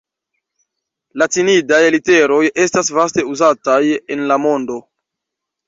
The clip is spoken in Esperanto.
Latinidaj literoj estas vaste uzataj en la mondo.